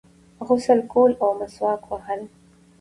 غسل کول او مسواک وهل